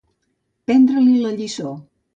Prendre-li la lliçó.